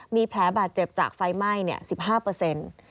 มีแผลบาดเจ็บจากไฟไหม้๑๕เปอร์เซ็นต์